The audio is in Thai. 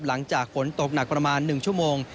หลังจากฝนตกหนักประมาณ๑ชั่วโมง